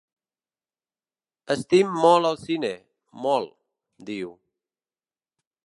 “Estim molt el cine, molt”, diu.